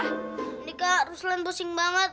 ini kak ruslan pusing banget